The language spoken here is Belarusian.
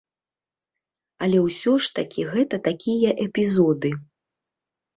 Але ўсё ж такі гэта такія эпізоды.